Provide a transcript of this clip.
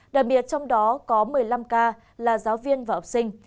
đặc biệt trong đó có một mươi năm ca là giáo viên và học sinh